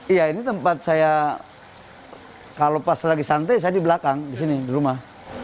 iya ini tempat saya kalau pas lagi santai saya di belakang di sini di rumah